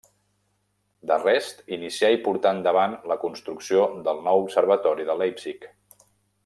D'Arrest inicià i portà endavant la construcció del nou observatori de Leipzig.